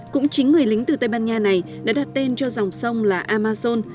cũng chính người lính từ tây ban nha này đã đặt tên cho dòng sông là amazon